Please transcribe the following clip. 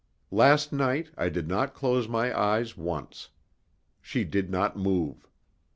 Last night I did not close my eyes once. She did not move.